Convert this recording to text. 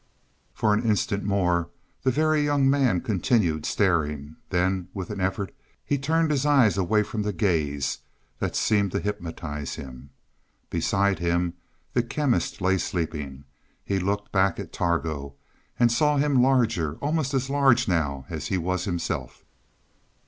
For an instant more the Very Young Man continued staring. Then, with an effort, he turned his eyes away from the gaze that seemed to hypnotize him. Beside him the Chemist lay sleeping. He looked back at Targo, and saw him larger almost as large now as he was himself.